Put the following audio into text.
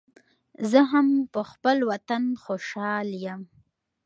زه هم پخپل وطن خوشحال یم